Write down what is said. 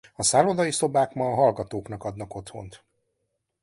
A szállodai szobák ma a hallgatóknak adnak otthont.